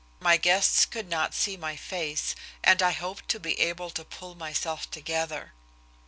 My guests could not see my face, and I hoped to be able to pull myself together.